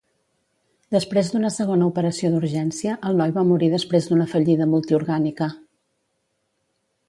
Després d'una segona operació d'urgència, el noi va morir després d'una fallida multiorgànica.